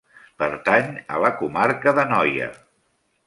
Pertany a la Comarca de Noia.